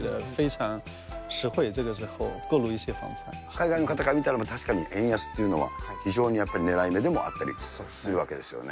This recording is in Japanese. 海外の方から見たら、確かに円安っていうのは、非常に狙い目でもあったりするわけですよね。